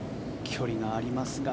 距離がありますが。